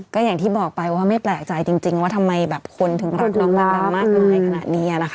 ก็อย่างที่บอกไปว่าไม่แปลกใจจริงว่าทำไมแบบคนถึงรักน้องมะดำมากมายขนาดนี้นะคะ